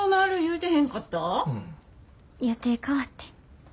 予定変わってん。